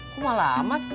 kok malah amat